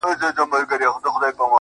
o خبرېږم زه راته ښېراوي كوې.